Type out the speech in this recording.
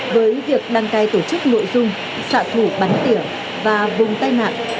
với việc đăng cài tổ chức nội dung sạ thủ bắn tiểu và vùng tai nạn